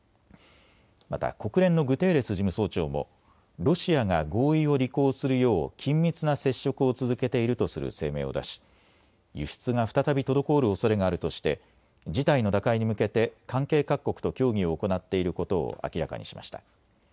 また国連のグテーレス事務総長もロシアが合意を履行するよう緊密な接触を続けているとする声明を出し輸出が再び滞るおそれがあるとして事態の打開に向けて関係各国と協議を行っていることを明らかにしました。